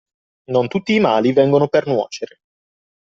Non tutti i mali vengono per nuocere.